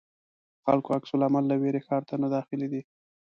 خلکو عکس العمل له وېرې ښار ته نه داخلېدی.